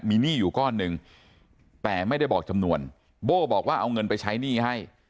มีหนี้อยู่ก้อนหนึ่งแต่ไม่ได้บอกจำนวนโบ้บอกว่าเอาเงินไปใช้หนี้ให้